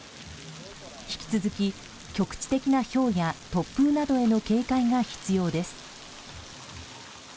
引き続き、局地的なひょうや突風などへの警戒が必要です。